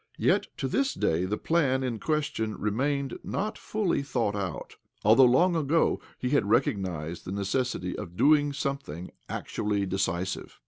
Yet to this day the plan in ques tion remained not fully thought out, although long ago he had recognized the necessity of doing something actually decisive.